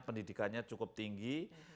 pendidikannya cukup tinggi